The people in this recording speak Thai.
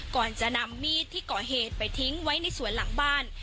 ก่อนจะนำมีดที่ก่อเหตุไปทิ้งไว้ในสวนหลังบ้าน